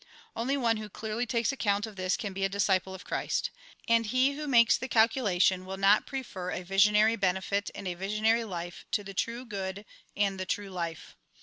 Only one who clearly takes account of this can be a disciple of Christ. And he who makes the calculation, will not prefer a visionary benefit and a visionary life to the true good and the true life.